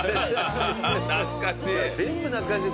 懐かしい。